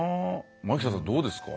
前北さん、どうですか。